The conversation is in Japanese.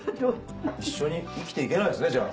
一緒に生きていけないですねじゃあ。